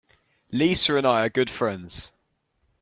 Lisa and I are good friends.